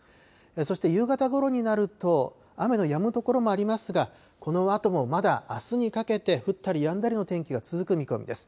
そして夕方ごろになると雨のやむ所もありますが、このあともまだあすにかけて降ったりやんだりの天気が続く見込みです。